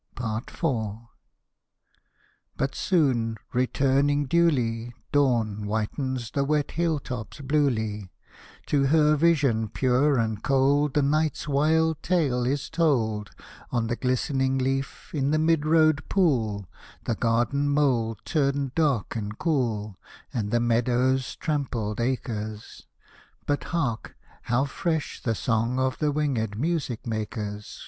IV. But soon, returning duly, Dawn whitens the wet hill tops bluely. To her vision pure and cold The night's wild tale is told On the glistening leaf, in the mid road pool, The garden mold turned dark and cool, And the meadow's trampled acres. But hark, how fresh the song of the winged music makers!